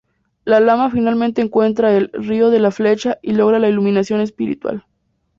El lama finalmente encuentra el "río de la Flecha" y logra la iluminación espiritual.